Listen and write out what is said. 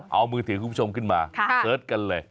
เอามือถือคุณผู้ชมขึ้นมาเสิร์ชกันเลย